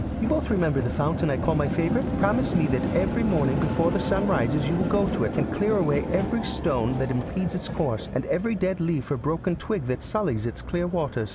You both remember the fountain I call my favourite? Promise me that every morning before the sun rises you will go to it and clear away every stone that impedes its course, and every dead leaf or broken twig that sullies its clear waters.